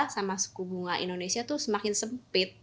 sama suku bunga indonesia tuh semakin sempit